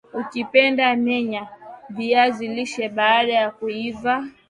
Ukipenda menya viazi lishe baada ya kuiva